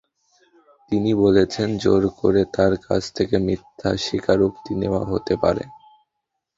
তিনি বলেছেন, জোর করে তাঁর কাছ থেকে মিথ্যা স্বীকারোক্তি নেওয়া হতে পারে।